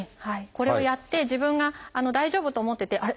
これをやって自分が大丈夫と思っててあれ？